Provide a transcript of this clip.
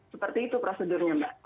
seperti itu prosedurnya mbak